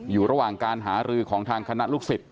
อยู่ระหว่างการหารือของทางคณะลูกศิษย